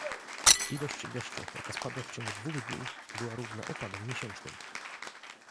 Ilość deszczu, jaka spadła w ciągu dwóch dni była równa opadom miesięcznym